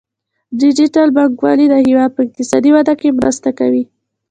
ډیجیټل بانکوالي د هیواد په اقتصادي وده کې مرسته کوي.